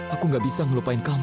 aku nggak bisa melupakan kamu